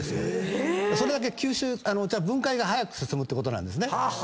それだけ吸収分解が早く進むってことなんですね。